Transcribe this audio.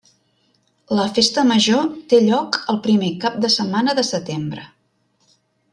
La festa major té lloc el primer cap de setmana de setembre.